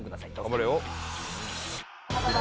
頑張れよ！